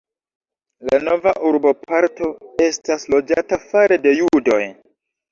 La nova urboparto estas loĝata fare de judoj.